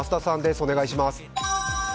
お願いします。